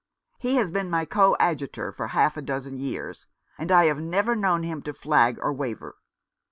He has been my coadjutor for half a dozen years, and I have never known him flag or waver.